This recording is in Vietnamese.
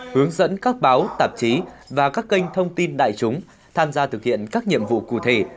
hướng dẫn các báo tạp chí và các kênh thông tin đại chúng tham gia thực hiện các nhiệm vụ cụ thể